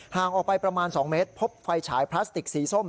ห่างออกไปประมาณ๒เมตรพบไฟฉายพลาสติกสีส้ม